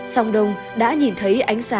sông đông đã nhìn thấy ai đó